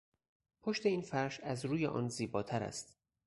پشت این فرش از روی آن زیباتر است.